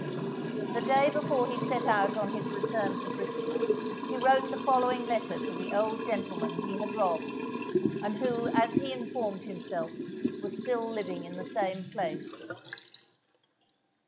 The day before he sat out on his return for Bristol, he wrote the following letter to the old gentleman he had robbed, and who as he informed himself, was still living at the same place.